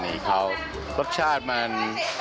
โรงโต้งคืออะไร